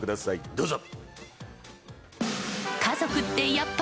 どうぞ！